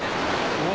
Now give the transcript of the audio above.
うわ！